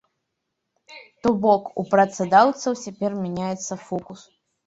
То бок, у працадаўцаў цяпер мяняецца фокус.